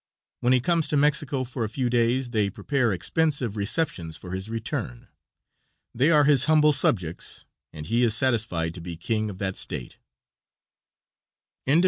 When he comes to Mexico for a few days they prepare expensive receptions for his return. They are his humble subjects, and he is satisfied to be king of that state. CHAPTER XXV.